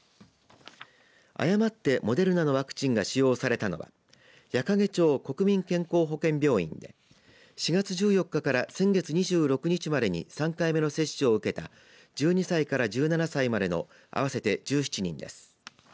誤ってモデルナのワクチンが使用されたのは矢掛町国民健康保険病院で４月１４日から先月２６日までに３回目の接種を受けた１２歳から１７歳までの合わせて１７人です。